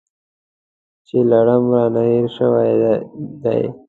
چې لړم رانه هېر شوی دی .